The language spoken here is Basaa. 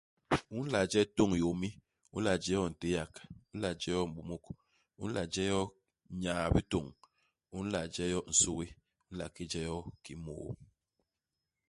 U nla je tôñ yômi, u nla je yo ntéak, u nla je yo m'bômôk, u nla je yo nyaa-bitôñ, u nla je yo nsugi, u nla ki je yo kiki môô.